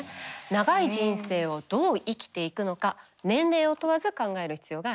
長い人生をどう生きていくのか年齢を問わず考える必要があります。